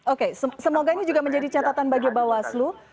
oke semoga ini juga menjadi catatan bagi bawaslu